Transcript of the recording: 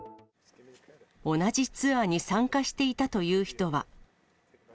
同じツアーに参加していたという人は。